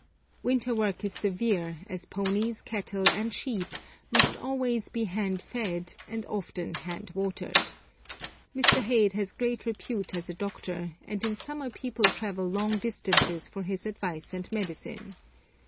Winter work is severe, as ponies, cattle, and sheep must always be hand fed, and often hand watered. Mr. Heyde has great repute as a doctor, and in summer people travel long distances for his advice and medicine.